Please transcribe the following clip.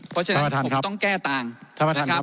เพราะฉะนั้นผมต้องแก้ต่างขออนุญาตไปทุ่งครับ